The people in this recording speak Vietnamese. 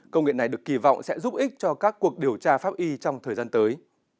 công nghệ này được kỳ vọng sẽ giúp ích cho các cuộc điều tra pháp y trong thời gian tới